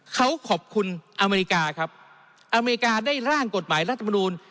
เขาขอบคุณอเมริกาครับอเมริกาได้ร่างกฎหมายรัฐมนูล